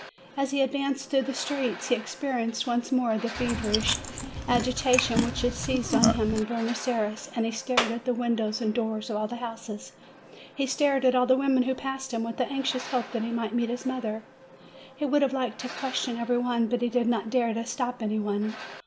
As he advanced through the streets, he experienced once more the feverish agitation which had seized on him at Buenos Ayres; he stared at the windows and doors of all the houses ; he stared at all the women who passed him, with an anxious hope that he might meet his mother ; he would have liked to question every one, but he did not dare to stop any one.